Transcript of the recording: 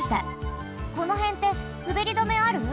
このへんってすべり止めある？